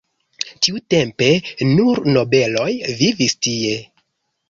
Tiutempe nur nobeloj vivis tie.